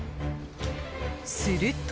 すると。